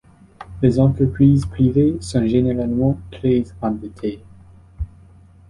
Les entreprises privées sont généralement très endettées.